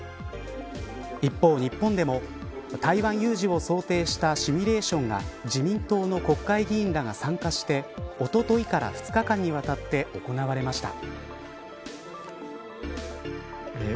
一方、日本でも台湾有事を想定したシミュレーションが自民党の国会議員らが参加して、おとといから２日間にわたって行われました。